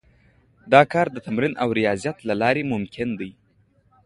دا کار د تمرين او رياضت له لارې ممکن دی.